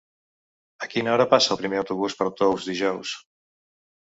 A quina hora passa el primer autobús per Tous dijous?